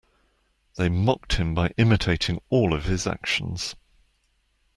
They mocked him by imitating all of his actions.